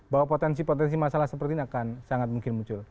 bahwa potensi potensi masalah seperti ini akan sangat mungkin muncul